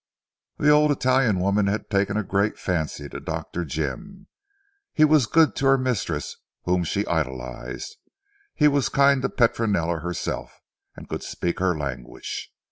"The old Italian woman had taken a great fancy to Dr. Jim. He was good to her mistress whom she idolized, he was kind to Petronella herself, and could speak her language.